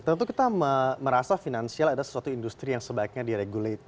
tentu kita merasa finansial ada sebuah industri yang sebaiknya di regulasi